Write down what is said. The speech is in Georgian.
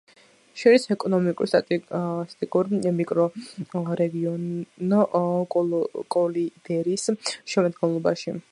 შედის ეკონომიკურ-სტატისტიკურ მიკრორეგიონ კოლიდერის შემადგენლობაში.